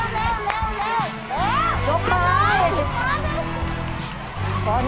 เร็วเร็วเร็วเร็ว